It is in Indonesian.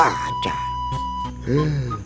assalamualaikum pak ustadz